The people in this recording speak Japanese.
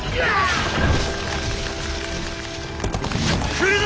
来るぞ！